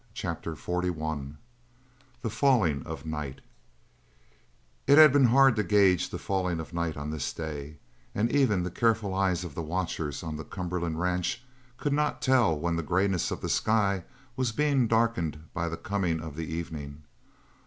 CHAPTER XLI THE FALLING OF NIGHT It had been hard to gauge the falling of night on this day, and even the careful eyes of the watchers on the Cumberland Ranch could not tell when the greyness of the sky was being darkened by the coming of the evening.